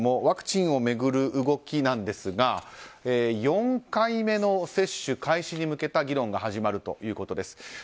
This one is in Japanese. ワクチンを巡る動きですが４回目の接種開始に向けた議論が始まるということです。